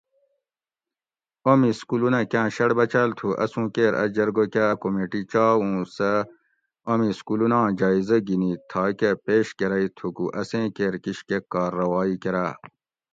اومی سکولونہ کاٞں شٞڑ بچاٞل تھُو اسُوں کیر اٞ جرگہ کاٞ اٞ کُمیٹی چا اُوں سٞہ اومی سکولوناں جائزہ گھِنی تھاکٞہ پیݭ کٞرئ تھُکو اسیں کیر کِشکٞہ کارروائ کٞراٞ